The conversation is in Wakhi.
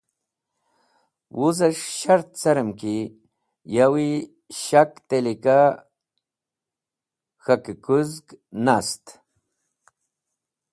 Wus̃h shart carẽm ki yawi shak tẽlika k̃hakẽkũzg nast